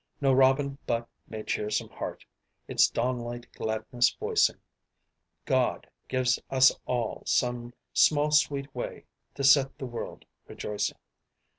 No robin but may cheer some heart, Its dawnlight gladness voicing; God gives us all some small sweet way To set the world rejoicing."